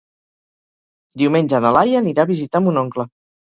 Diumenge na Laia anirà a visitar mon oncle.